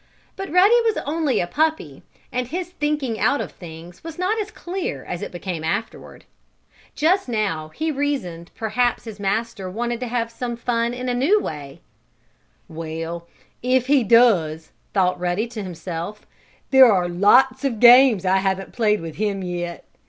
But Ruddy was only a puppy and his thinking out of things was not as clear as it became afterward. Just now he reasoned perhaps his master wanted to have some fun in a new way. "Well, if he does," thought Ruddy to himself, "there are lots of games I haven't played with him yet.